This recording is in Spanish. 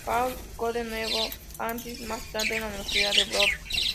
Paul’s School de Nuevo Hampshire y más tarde en la Universidad de Brown.